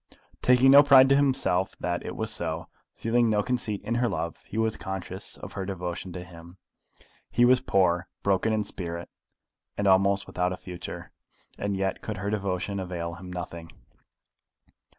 Taking no pride to himself that it was so, feeling no conceit in her love, he was conscious of her devotion to him. He was poor, broken in spirit, and almost without a future; and yet could her devotion avail him nothing!